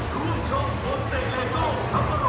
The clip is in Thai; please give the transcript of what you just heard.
ขอบคุณสไตล์รุ่นรับวันมาก